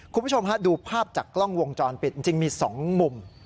คุณผู้ชมฮะดูภาพจากกล้องวงจรปิดจริงมี๒มุม